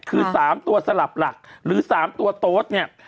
คือ๓ตัวสลับหลักหรือ๓ตัวโต๊ดเนี่ย